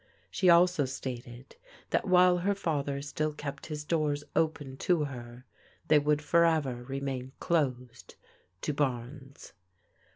She also stated that while her father still kept his doors open to her, they would forever remain closed to Barnes.